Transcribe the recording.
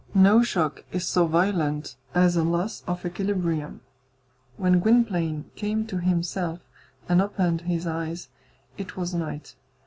No shock is so violent as a loss of equilibrium. When Gwynplaine came to himself and opened his eyes it was night.